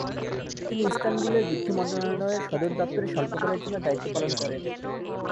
তিনি ইস্তানবুলে যুদ্ধ মন্ত্রণালয়ের সদর দপ্তরে স্বল্পকালের জন্য দায়িত্বপালন করেন।